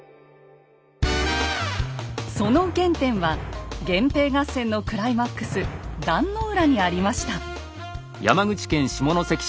その原点は源平合戦のクライマックス壇の浦にありました。